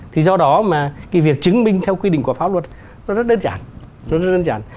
thì do đó mà cái việc chứng minh theo quy định của pháp luật nó rất đơn giản